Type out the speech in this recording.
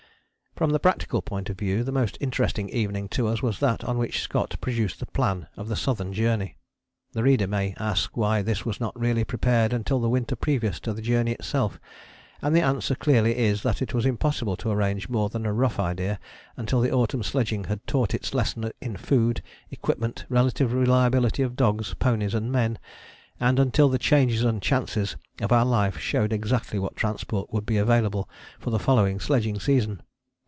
From the practical point of view the most interesting evening to us was that on which Scott produced the Plan of the Southern Journey. The reader may ask why this was not really prepared until the winter previous to the journey itself, and the answer clearly is that it was impossible to arrange more than a rough idea until the autumn sledging had taught its lesson in food, equipment, relative reliability of dogs, ponies and men, and until the changes and chances of our life showed exactly what transport would be available for the following sledging season.